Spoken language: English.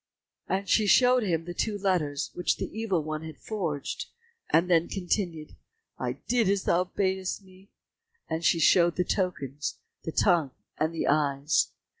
and she showed him the two letters which the Evil one had forged, and then continued, "I did as thou badest me," and she showed the tokens, the tongue and eyes.